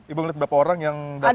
ibu melihat berapa orang yang datang